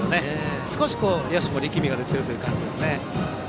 少し、野手も力みが出ている感じですね。